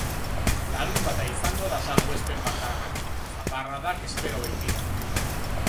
Larunbata izango da salbuespen bakarra, zaparradak espero baitira.